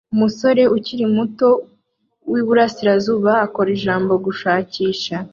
Umusore ukiri muto wiburasirazuba akora ijambo gushakisha